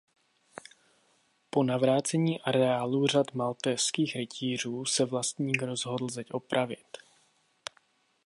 Po navrácení areálu řádu maltézských rytířů se vlastník rozhodl zeď opravit.